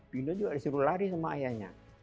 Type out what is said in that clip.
bino juga disuruh lari sama ayahnya